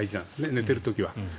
寝ている時は。